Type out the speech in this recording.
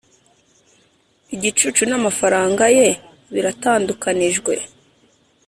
igicucu namafaranga ye biratandukanijwe